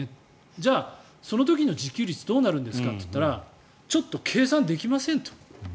じゃあ、その時の自給率はどうなるんですかって言ったらちょっと計算できませんと。